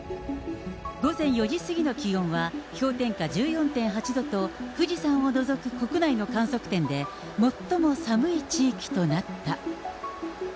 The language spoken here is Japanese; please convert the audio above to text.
午前４時過ぎの気温は氷点下１４．８度と、富士山を除く国内の観測点で、最も寒い地域となった。